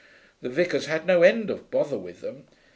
The vicar's had no end of bother with them.